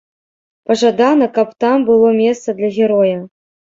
Пажадана, каб там было месца для героя.